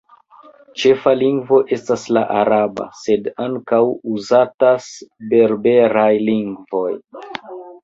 Ĉefa lingvo estas la araba, sed ankaŭ uzatas berberaj lingvoj.